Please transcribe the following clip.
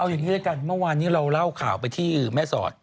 อย่างนี้ด้วยกันเมื่อวานนี้เราเล่าข่าวไปที่แม่สอด